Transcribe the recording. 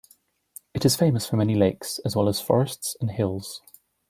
It is famous for many lakes, as well as forests and hills.